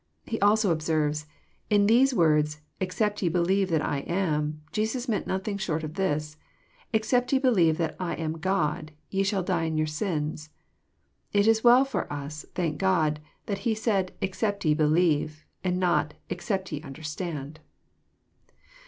He also observes :*' In these words, Except ye believe that I am, Jesus meant nothing short of this, Except ye believe that I am God, ye shall die in your sins. It is well for us, thank God, that He said ex cept ye believe, and not except ye understand.